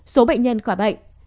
số bệnh nhân khỏi bệnh